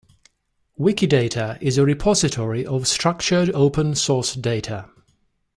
Wikidata is a repository of structured open source data.